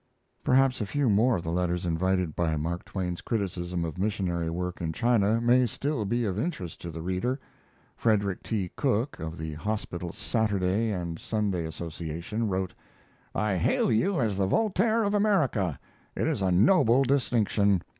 Perhaps a few more of the letters invited by Mark Twain's criticism of missionary work in China may still be of interest to the reader: Frederick T. Cook, of the Hospital Saturday and Sunday Association, wrote: "I hail you as the Voltaire of America. It is a noble distinction.